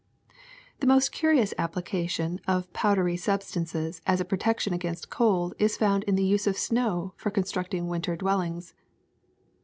^^The most curious application of powdery sub stances as a protection against cold is found in the use of snow for constructing winter dwellings.''